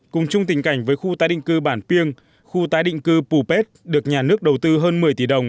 cùng chung tình cảnh với khu tái định cư bản piêng khu tái định cư pù pet được nhà nước đầu tư hơn một mươi tỷ đồng